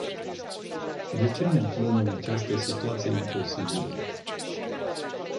De ce ne aflăm în această situație imposibilă?